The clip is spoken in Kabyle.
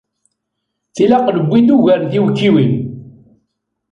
Tilaq newwi-d ugar n tiwekkiwin.